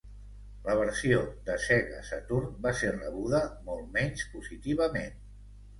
La versió de Sega Saturn va ser rebuda molt menys positivament.